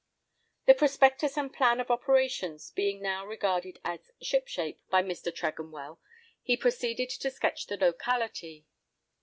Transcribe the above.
The prospectus and plan of operations being now regarded as "shipshape" by Mr. Tregonwell, he proceeded to sketch the locality.